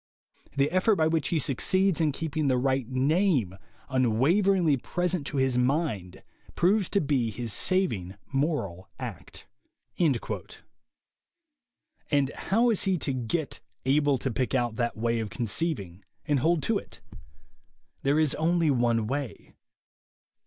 The effort by which he succeeds in keeping the right name unwaveringly present to his mind proves to be his saving moral act." And how is he to get "able to pick out that way of conceiving" and hold to it? There is only one way.